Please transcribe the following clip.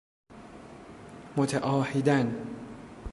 متعاهیدن